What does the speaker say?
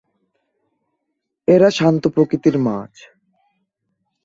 এরা শান্ত প্রকৃতির মাছ।